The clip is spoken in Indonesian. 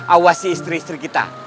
awasi istri istri kita